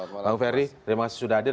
bang ferry terima kasih sudah hadir